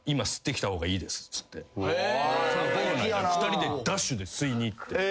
２人でダッシュで吸いに行って。